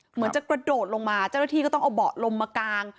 เหมือนจะกระโดดลงมาเจ้าหน้าที่ก็ต้องเอาเบาะลมมากาง